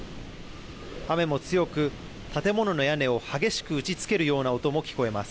雨も強く、建物の屋根を激しく打ちつけるような音も聞こえます。